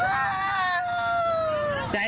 ไม่ใช่